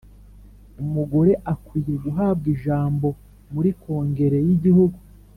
Umugore akwiye guhabwa ijambo muri Kongere y ‘Igihugu